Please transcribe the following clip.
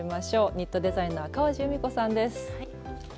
ニットデザイナー川路ゆみこさんです。